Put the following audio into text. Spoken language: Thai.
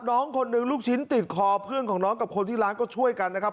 น้องคนนึงลูกชิ้นติดคอเพื่อนของน้องกับคนที่ร้านก็ช่วยกันนะครับ